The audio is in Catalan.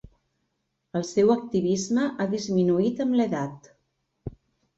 El seu activisme ha disminuït amb l'edat.